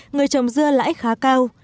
người trồng dưa lại khá cao